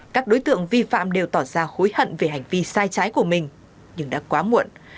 các đối tượng vi phạm đều tỏ ra hối hận về hành vi sai trái của mình nhưng đã quá muộn